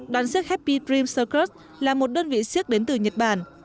đoàn siếc happy dream secut là một đơn vị siếc đến từ nhật bản